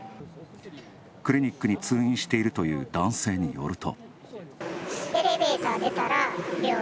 クリニックに通院しているという男性によると。